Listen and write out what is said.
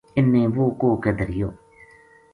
اِن نے وہ کوہ کے دھریو